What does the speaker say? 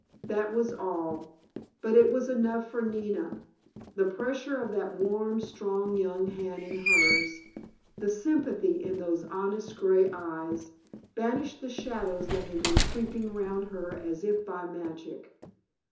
That was all. But it was enough for Nina. The pressure of that warm, strong young hand in hers, the sympathy in those honest grey eyes, banished the shadows that had been creeping round her as if by magic.